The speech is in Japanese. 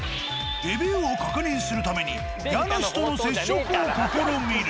レビューを確認するために家主との接触を試みる。